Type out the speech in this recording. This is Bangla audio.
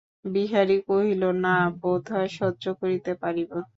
বিহারী কহিল, না, বোধ হয় সহ্য করিতে পারিব।